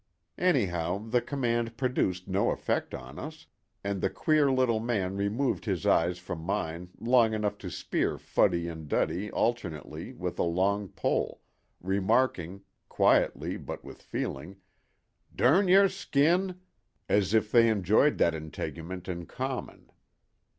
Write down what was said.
Anyhow the command produced no effect on us, and the queer little man removed his eyes from mine long enough to spear Fuddy and Duddy alternately with a long pole, remarking, quietly but with feeling: "Dern your skin," as if they enjoyed that integument in common.